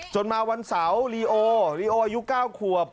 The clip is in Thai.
มาวันเสาร์ลีโอลีโออายุ๙ขวบ